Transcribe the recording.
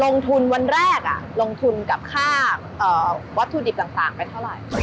ลงทุนวันแรกลงทุนกับค่าวัตถุดิบต่างไปเท่าไหร่